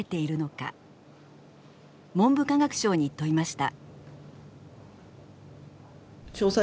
文部科学省に問いました。